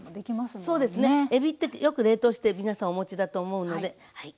えびってよく冷凍して皆さんお持ちだと思うのではい。